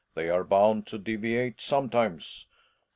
They ar e bound to deviate sometimes.